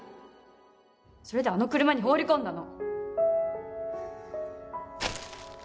それであの車に放り込んだの。